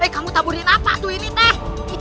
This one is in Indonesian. kamu taburin apa tuh ini deh